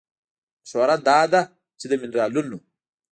مشوره دا ده چې د مېنرالونو